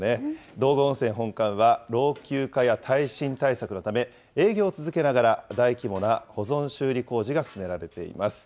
道後温泉本館は、老朽化や耐震対策のため、営業を続けながら、大規模な保存修理工事が進められています。